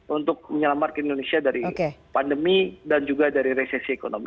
untuk menyelamatkan indonesia dari pandemi dan juga dari resesi ekonomi